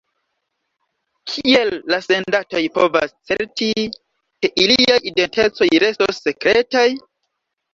Kiel la sendantoj povas certi, ke iliaj identecoj restos sekretaj?